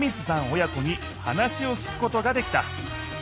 親子に話を聞くことができた。